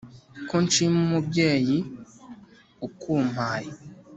ko nshima umubyeyi ukumpaye